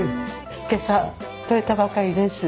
今朝取れたばかりです。